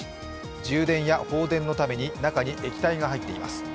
充電や放電のために中に液体が入っています。